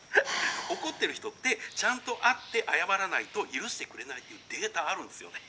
「怒ってる人ってちゃんと会って謝らないと許してくれないっていうデータあるんすよね。